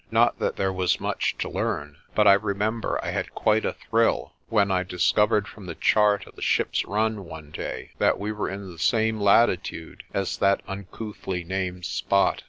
Not that there was much to learn; but I remember I had quite a thrill when I discovered from the chart of the ship's run one day that we were in the same latitude as that uncouthly named spot.